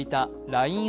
ＬＩＮＥ